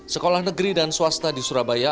sekolah negeri dan swasta di surabaya